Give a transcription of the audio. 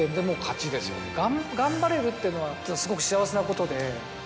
頑張れるっていうのはすごく幸せなことで。